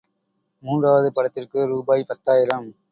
மூன்றாவது படத்திற்கு ரூபாய் பத்தாயிரம்.